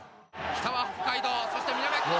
北は北海道そして南は！